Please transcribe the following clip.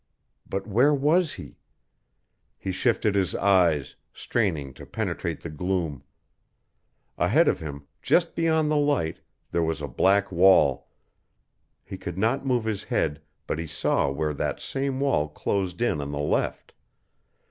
But where was he? He shifted his eyes, straining to penetrate the gloom. Ahead of him, just beyond the light, there was a black wall; he could not move his head, but he saw where that same wall closed in on the left.